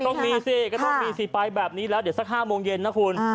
ต้องมีสิก็ต้องมีสิไปแบบนี้แล้วเดี๋ยวสัก๕โมงเย็นนะคุณ